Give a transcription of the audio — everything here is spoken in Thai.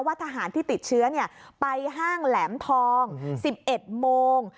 ทหารที่ติดเชื้อไปห้างแหลมทอง๑๑โมง